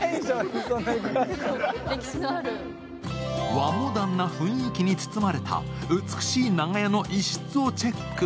和モダンな雰囲気に包まれた美しい長屋の一室をチェック。